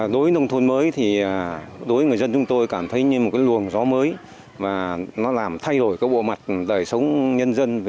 đối với nông thôn mới thì đối với người dân chúng tôi cảm thấy như một luồng gió mới và nó làm thay đổi cái bộ mặt đời sống nhân dân